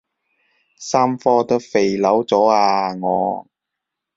三科都肥佬咗啊我